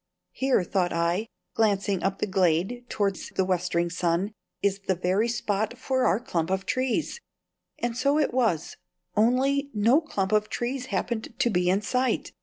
"Here," thought I, glancing up the glade towards the westering sun, "is the very spot for our clump of, trees;" and so it was only no clump of trees happened to be in sight.